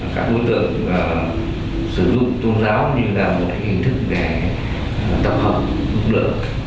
các đối tượng sử dụng tôn giáo như là một hình thức để tập hợp lực lượng